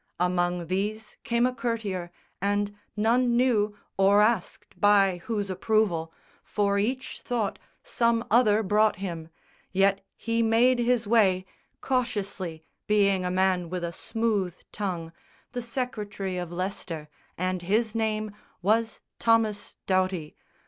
Among these came a courtier, and none knew Or asked by whose approval, for each thought Some other brought him; yet he made his way Cautiously, being a man with a smooth tongue, The secretary of Leicester; and his name Was Thomas Doughty.